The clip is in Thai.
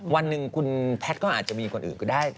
วันหนึ่งคุณแพทย์ก็อาจจะมีคนอื่นก็ได้